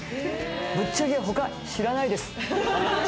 ぶっちゃけ他知らないです。